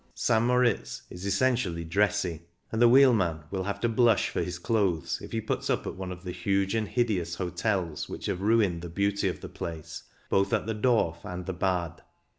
St. Moritz is essentially "dressy," and the wheelman will have to blush for his clothes if he puts up at one of the huge and hid eous hotels which have ruined the beauty of the place, both at the Dorf and the Bad.